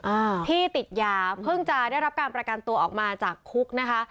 อ่าที่ติดยาเพิ่งจะได้รับการประกันตัวออกมาจากคุกนะคะ